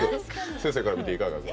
先生から見ていかがですか？